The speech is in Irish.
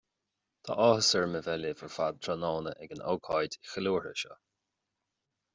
Tá áthas orm a bheith libh ar fad tráthnóna ag an ócáid cheiliúrtha seo